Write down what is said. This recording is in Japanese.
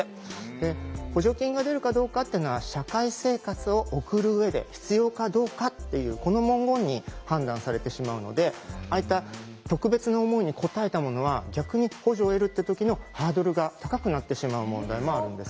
で補助金が出るかどうかっていうのは「社会生活を送る上で必要かどうか」っていうこの文言に判断されてしまうのでああいった特別な思いに応えたものは逆に補助を得るって時のハードルが高くなってしまう問題もあるんですね。